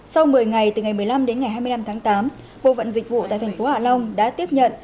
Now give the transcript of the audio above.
sau một mươi ngày từ ngày một mươi năm đến ngày hai mươi năm tháng tám bộ phận dịch vụ tại thành phố hạ long đã tiếp nhận